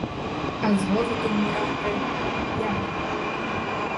А з голоду вмирати — як?